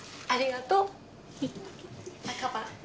ありがとう。鞄。